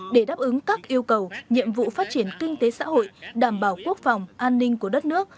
để đáp ứng các yêu cầu nhiệm vụ phát triển kinh tế xã hội đảm bảo quốc phòng an ninh của đất nước